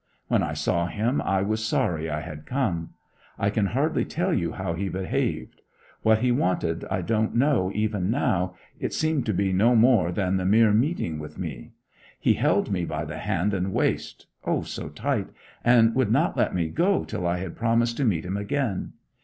When I saw him I was sorry I had come. I can hardly tell you how he behaved. What he wanted I don't know even now; it seemed to be no more than the mere meeting with me. He held me by the hand and waist O so tight and would not let me go till I had promised to meet him again.